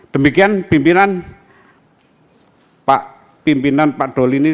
demikian pimpinan pak doli ini